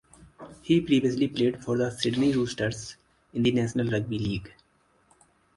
He previously played for the Sydney Roosters in the National Rugby League.